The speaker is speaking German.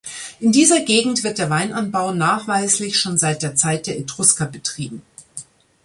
In dieser Gegend wird der Weinanbau nachweislich schon seit der Zeit der Etrusker betrieben.